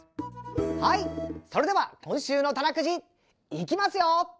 はいそれでは今週の「たなくじ」いきますよ！